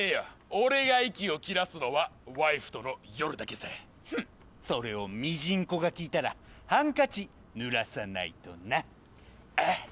俺が息を切らすのはワイフとの夜だけさフンそれをミジンコが聞いたらハンカチ濡らさないとなああ！